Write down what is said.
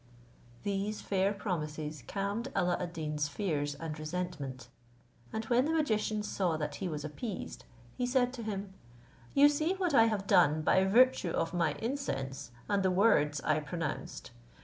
These fair promises calmed Alla ad Deen's fears and resentment; and when the magician saw that he was appeased, he said to him, "You see what I have done by virtue of my incense, and the words I pronounced.